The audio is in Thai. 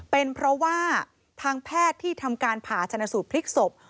เป็นเพราะว่าทางแพทย์ที่ทำการผ่าชนะสูตรพลิกศพ